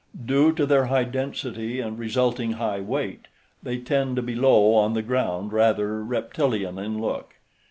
Due to their high density and resulting high weight, they tend to be low on the ground, rather reptilian in look.